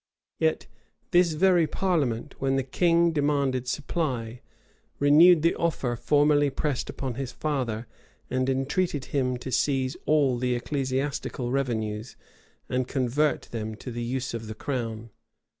[*] Yet this very parliament, when the king demanded supply, renewed the offer formerly pressed upon his father, and entreated him to seize all the ecclesiastical revenues, and convert them to the use of the crown.